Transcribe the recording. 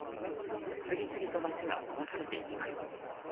次々と街が壊されていきます。